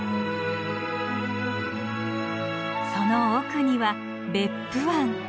その奥には別府湾。